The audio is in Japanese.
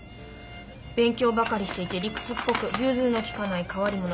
勉強ばかりしていて理屈っぽく融通の利かない変わり者。